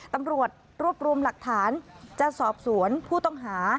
ตำรวจรวบรวมหลักฐานจะสอบสวนผู้ต้องหา